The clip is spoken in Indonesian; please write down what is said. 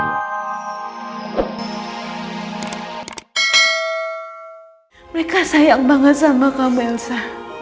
mereka sayang banget sama kamu elsa